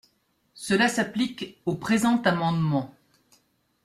Cela s’applique au présent amendement.